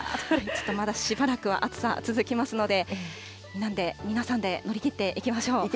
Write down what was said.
ちょっとまだしばらくは暑さ続きますので、なんで、皆さんで乗り切っていきましょう。